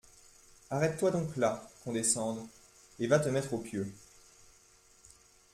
Arrête-toi donc là, qu’on descende, et va te mettre au pieu.